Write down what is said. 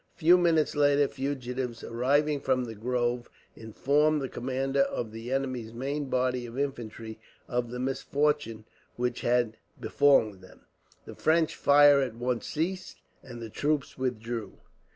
A few minutes later fugitives, arriving from the grove, informed the commander of the enemy's main body of infantry of the misfortune which had befallen them. The French fire at once ceased, and the troops withdrew.